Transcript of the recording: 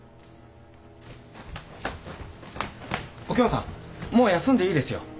お京さんもう休んでいいですよ。